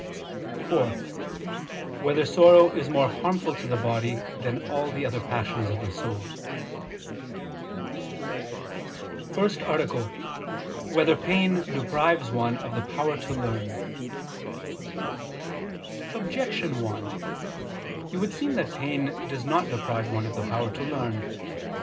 (4) Whether sorrow is more harmful to the body than all the other passions of the soul? ________________________ FIRST ARTICLE [I II, Q. 37, Art. 1] Whether Pain Deprives One of the Power to Learn? Objection 1: It would seem that pain does not deprive one of the power to learn.